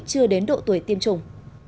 chưa đến độ tuổi tiêm chủng